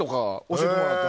教えてもらって。